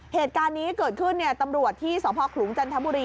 เหตุการณ์นี้เกิดขึ้นตำรวจที่สพขลุงจันทบุรี